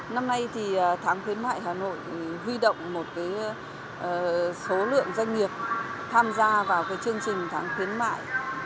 năm nay thì tháng khuyến mại hà nội huy động một số lượng doanh nghiệp tham gia vào chương trình tháng khuyến mại